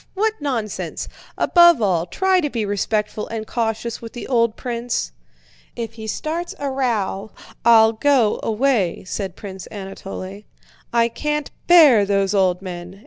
What nonsense! Above all, try to be respectful and cautious with the old prince." "If he starts a row I'll go away," said Prince Anatole. "I can't bear those old men!